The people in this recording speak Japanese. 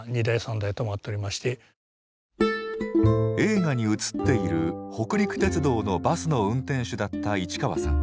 映画に映っている北陸鉄道のバスの運転手だった市川さん